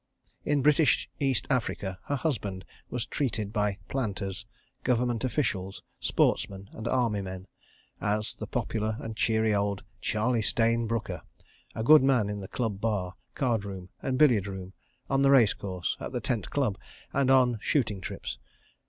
In British East Africa her husband was treated by planters, Government officials, sportsmen, and Army men, as the popular and cheery old Charlie Stayne Brooker—a good man in the club bar, card room and billiard room, on the racecourse, at the tent club, and on shooting trips.